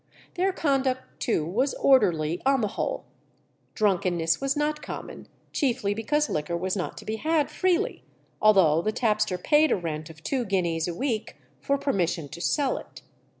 Their conduct too was orderly on the whole. Drunkenness was not common, chiefly because liquor was not to be had freely, although the tapster paid a rent of two guineas a week for permission to sell it.